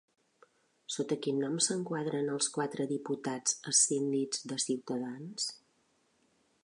Sota quin nom s'enquadren els quatre diputats escindits de Ciutadans?